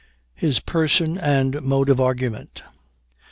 HIS PERSON AND MODE OF ARGUMENT.